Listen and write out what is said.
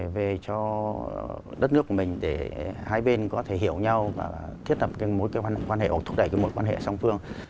về cho đất nước của mình để hai bên có thể hiểu nhau và thiết lập mối quan hệ thúc đẩy cái mối quan hệ song phương